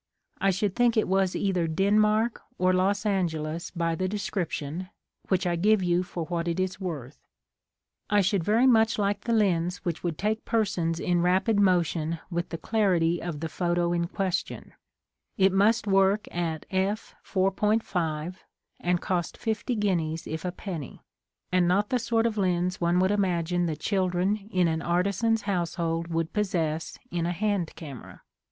I should think it was either Den mark or Los Angeles by the description, which I give you for what it is worth. . *'I should very much like the lens which would take persons in rapid motion with the clarity of the photo in question, it must work at F 4 5 and cost fifty guineas if a penny, and not the sort of lens one would imagine the children in an artisan's house hold would possess in a hand camera.